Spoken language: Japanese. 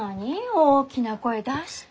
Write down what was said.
大きな声出して。